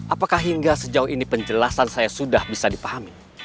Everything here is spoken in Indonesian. apakah hingga sejauh ini penjelasan saya sudah bisa dipahami